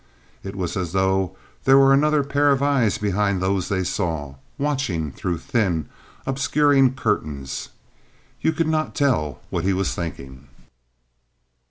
It was as though there were another pair of eyes behind those they saw, watching through thin, obscuring curtains. You could not tell what he was thinking.